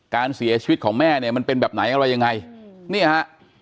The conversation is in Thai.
การเสียชีวิตของแม่เนี่ยมันเป็นแบบไหนอะไรยังไงเนี่ยฮะ